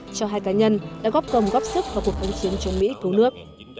cho hai cá nhân đã góp công góp sức vào cuộc kháng chiến chống mỹ cứu nước